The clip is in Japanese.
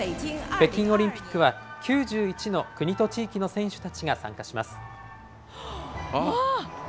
北京オリンピックは、９１の国と地域の選手たちが参加します。